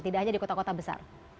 tidak hanya di kota kota besar